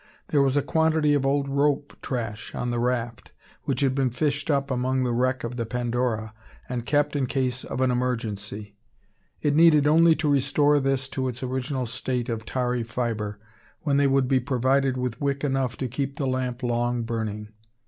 There was a quantity of old rope trash on the raft, which had been fished up among the wreck of the Pandora, and kept in case of an emergency. It needed only to restore this to its original state of tarry fibre, when they would be provided with wick enough to keep the lamp long burning.